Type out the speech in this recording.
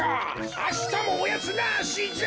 あしたもおやつなしじゃ！